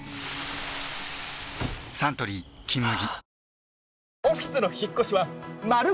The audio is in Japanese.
サントリー「金麦」